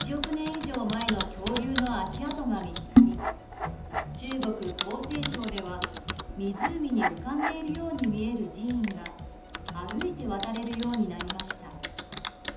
以上前の恐竜の足跡が見つかり中国・江西省では、湖に浮かんでいるように見える寺院が歩いて渡れるようになりました。